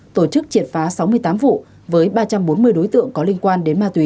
tổ chức triệt phá sáu mươi tám vụ với ba trăm bốn mươi đối tượng có liên quan